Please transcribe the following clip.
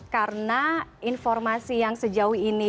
karena informasi yang sejauh ini